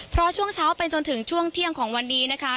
เพราะช่วงเช้าไปจนถึงช่วงเที่ยงของวันนี้นะคะ